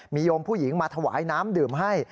มีโยมผู้หญิงมาถวายน้ำดื่มให้